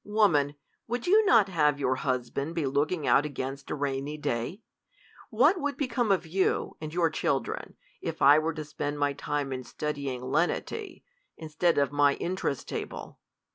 Woman, would you not have your husband be looking out ai^ainst a rainy day ? What would become of you, and your children, if I were to spend my time in studying /e/nVy, instead of my interest table